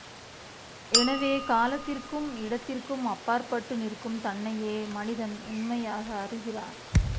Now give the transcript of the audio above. எனவே, காலத்திற்கும் இடத்திற்கும் அப்பாற்பட்டு நிற்கும் தன்னையே மனிதன் உண்மையாக அறிகிறான்.